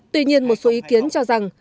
tuy nhiên một số ý kiến cho rằng